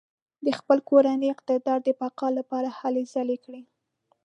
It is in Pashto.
د خپل کورني اقتدار د بقا لپاره هلې ځلې کړې.